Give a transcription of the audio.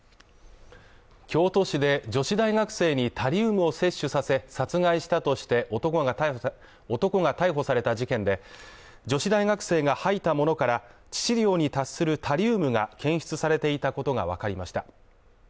京都市で女子大学生にタリウムを摂取させ殺害したとして男が逮捕された事件で、女子大学生が吐いたものから、致死量に達するタリウムが検出されていたことがわかりました。